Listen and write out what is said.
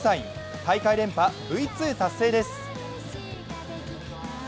大会連覇Ｖ２達成です。